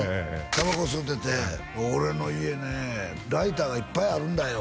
タバコ吸うてて「俺の家ねライターがいっぱいあるんだよ」